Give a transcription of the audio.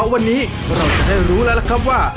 วันนี้เราจะได้รู้แล้วล่ะครับว่า